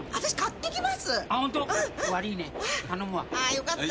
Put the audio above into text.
よかった。